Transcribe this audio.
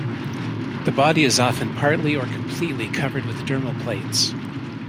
The body is often partly or completely covered with dermal plates.